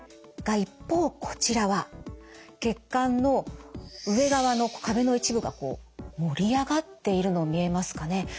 が一方こちらは血管の上側の壁の一部がこう盛り上がっているの見えますかね？